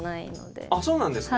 あっそうなんですか？